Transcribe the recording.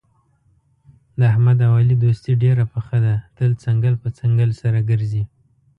د احمد او علي دوستي ډېره پخه ده، تل څنګل په څنګل سره ګرځي.